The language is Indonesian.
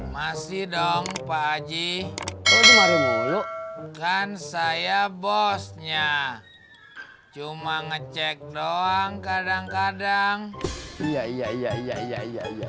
masih dong pak aji kan saya bosnya cuma ngecek doang kadang kadang iya iya iya iya iya iya